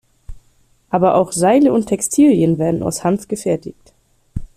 Aber auch Seile und Textilien werden aus Hanf gefertigt.